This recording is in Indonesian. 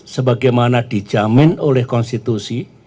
sebagaimana dijamin oleh konstitusi